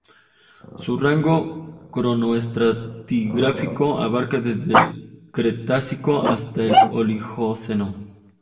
Su rango cronoestratigráfico abarca desde el Cretácico hasta el Oligoceno.